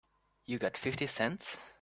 You got fifty cents?